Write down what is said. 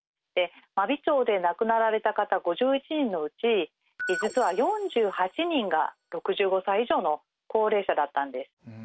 真備町で亡くなられた方５１人のうち実は４８人が６５歳以上の高齢者だったんです。